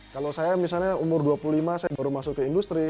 kalau saya misalnya umur dua puluh lima saya baru masuk ke industri